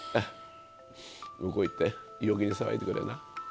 向こうへ行って陽気に騒いでくれな。